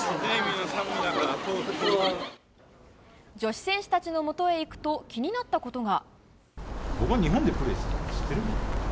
女子選手たちのもとへ行くと気になったことが。